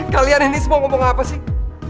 kalian ini semua ngomong apa sih